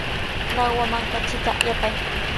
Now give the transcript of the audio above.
Lawaman katrita yapay.